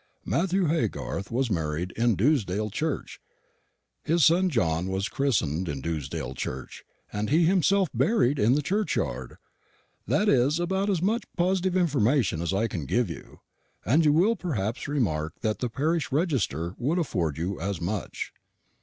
Matthew Haygarth was married in Dewsdale church, his son John was christened in Dewsdale church, and he himself is buried in the churchyard. That is about as much positive information as I can give you; and you will perhaps remark that the parish register would afford you as much.